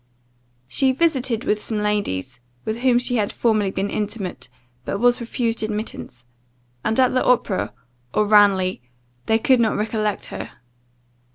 She visited some ladies with whom she had formerly been intimate, but was refused admittance; and at the opera, or Ranelagh, they could not recollect her.